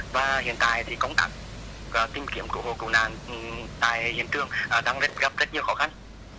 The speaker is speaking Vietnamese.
và hiện tại thì công tạp tìm kiếm cổ hộ cổ nạn tại hiện trường đang gặp rất nhiều khó khăn